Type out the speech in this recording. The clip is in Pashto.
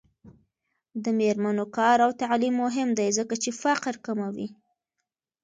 د میرمنو کار او تعلیم مهم دی ځکه چې فقر کموي.